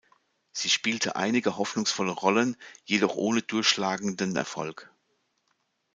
Sie spielte einige hoffnungsvolle Rollen, jedoch ohne durchschlagenden Erfolg.